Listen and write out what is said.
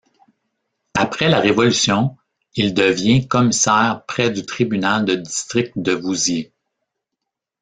Après la Révolution, il devient commissaire près du tribunal de district de Vouziers.